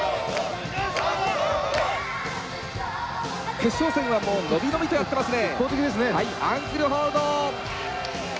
決勝戦は伸び伸びとやってますね。